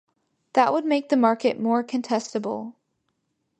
That would make the market more contestable.